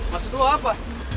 masuk lo apa